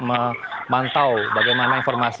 memantau bagaimana informasi